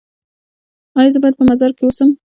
ایا زه باید په مزار کې اوسم؟